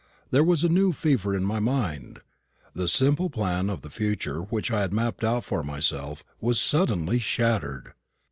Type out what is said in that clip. There was a new fever in my mind. The simple plan of the future which I had mapped out for myself was suddenly shattered.